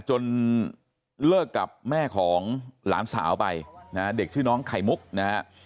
จนเลิกกับแม่ของหลานสาวไปนะฮะเด็กชื่อน้องไข่มุกนะฮะ